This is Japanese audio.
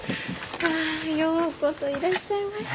あようこそいらっしゃいました。